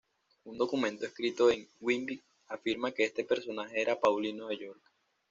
Un documento escrito en Whitby, afirma que este personaje era Paulino de York.